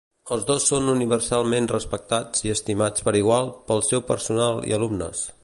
Els dos són universalment respectats i estimats per igual pel seu personal i alumnes.